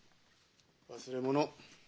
忘れ物。